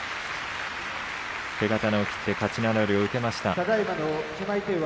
手刀を切って勝ち名乗りを受けました。